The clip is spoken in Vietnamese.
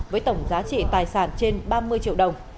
với tổng giá trị tài sản trên ba mươi triệu đồng